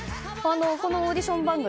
このオーディション番組